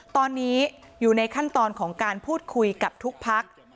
ตอนนี้อยู่ในขั้นตอนของการพูดคุยกับทุกพัก